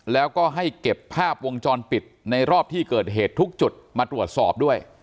แล้วก็ให้เก็บภาพวงจรปิดในรอบที่เกิดเหตุทุกจุดมาตรวจสอบด้วย